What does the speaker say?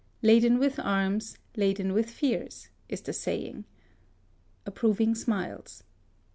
Laden with arms, laden with fears, is the saying. (Approving smiles.)